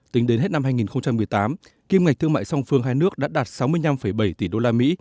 tính đến hết năm hai nghìn một mươi tám kim ngạch thương mại song phương hai nước đã đạt sáu mươi năm bảy tỷ usd